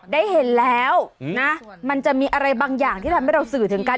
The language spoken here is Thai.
ได้เห็นแล้วนะมันจะมีอะไรบางอย่างที่ทำให้เราสื่อถึงกัน